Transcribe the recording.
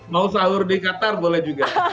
mau sahur di qatar boleh juga